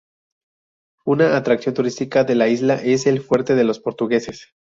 Una atracción turística de la isla es el Fuerte de los Portugueses.